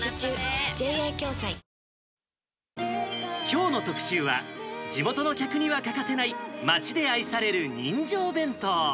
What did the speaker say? きょうの特集は、地元の客には欠かせない、町で愛される人情弁当。